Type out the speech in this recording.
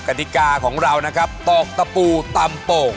กฎิกาของเราตอกตะปูตำโป่ง